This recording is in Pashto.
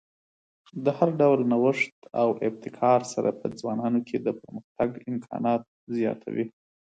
د هر ډول نوښت او ابتکار سره په ځوانانو کې د پرمختګ امکانات زیاتوي.